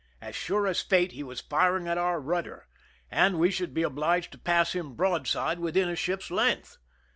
As sure as fate he was firing at our rudder, and we should be obliged to pass him broadside within a ship's length